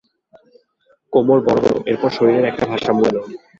কোমর বড় হল, এরপর শরীরে একটা ভারসাম্য এলো।